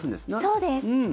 そうです。